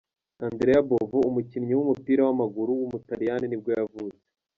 Andrea Bovo, umukinnyi w’umupira w’amaguru w’umutaliyani nibwo yavutse.